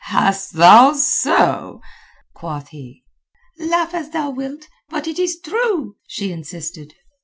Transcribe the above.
"Hast thou so?" quoth he. "Laugh as thou wilt, but it is true," she insisted.